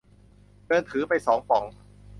เดินถือไปสองป๋อง